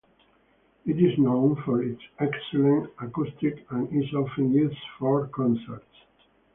It is known for its excellent acoustics and is often used for concerts.